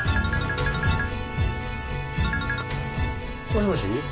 もしもし。